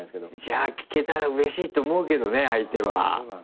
じゃあ聞けたらうれしいと思うけどね相手は。